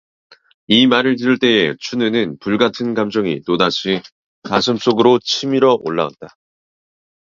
이 말을 들을 때에 춘우는 불 같은 감정이 또다시 가슴속에서 치밀어 올라왔다.